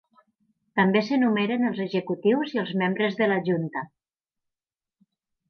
També s'enumeren els executius i els membres de la junta.